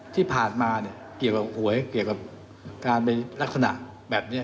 ที่ผ่านมาเนี่ยเกี่ยวกับหวยเกี่ยวกับการเป็นลักษณะแบบนี้